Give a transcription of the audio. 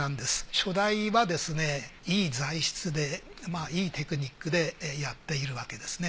初代はですねいい材質でいいテクニックでやっているわけですね。